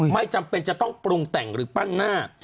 ไม่จำเป็นจะต้องปรุงแต่งหรือปั้นหน้า